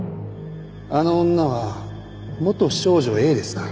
あの女は元少女Ａですから。